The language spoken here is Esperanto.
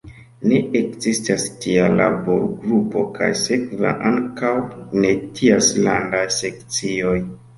Ne ekzistas tia laborgrupo kaj sekve ankaŭ ne ties landaj sekcioj.